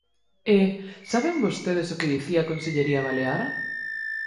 E, ¿saben vostedes o que dicía a consellería balear?